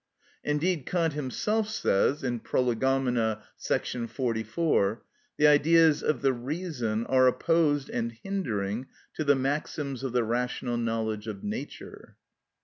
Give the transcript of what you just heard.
Indeed Kant himself says (Prolegomena, § 44), "The Ideas of the reason are opposed and hindering to the maxims of the rational knowledge of nature."